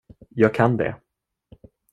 Jag kan det.